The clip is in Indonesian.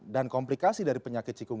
dan komplikasi dari penyakit ini adalah